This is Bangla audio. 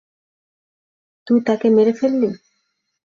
তুই তাকে মেরে ফেললি!